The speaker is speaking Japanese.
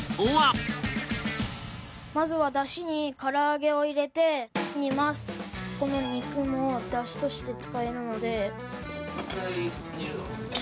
まずはこの肉も出汁として使えるので。